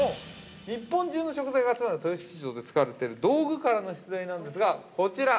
日本中の食材が集まる豊洲市場で使われている道具からの出題なんですがこちら。